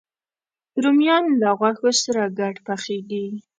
رومیان له غوښو سره ګډ پخېږي